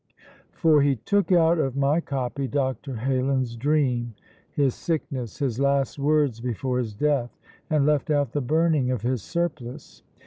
For he took out of my copy Dr. Heylin's dream, his sickness, his last words before his death, and left out the burning of his surplice.